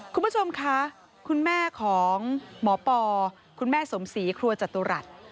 คุณผู้ชมค่ะคุณแม่ของหมอปอคุณแม่สมศรีครัวจตุรัส